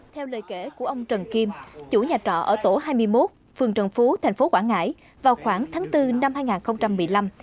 theo lời kể của ông trần kim chủ nhà trọ ở tổ hai mươi một phường trần phú tp quảng ngãi vào khoảng tháng bốn năm hai nghìn một mươi năm